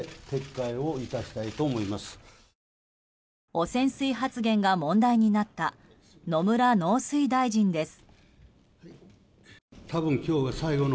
汚染水発言が問題になった野村農水大臣です。